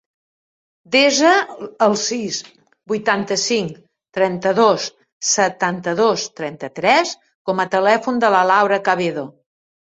Desa el sis, vuitanta-cinc, trenta-dos, setanta-dos, trenta-tres com a telèfon de la Laura Cabedo.